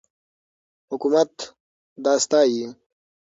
حکومت دا ستایي.